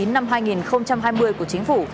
năm hai nghìn hai mươi của chính phủ